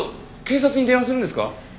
警察に電話するんですか？